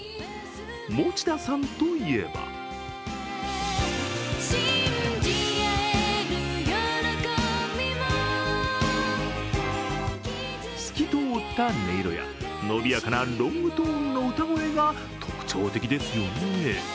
持田さんといえば透き通った音色や伸びやかなロングトーンの歌声が特徴的ですよね。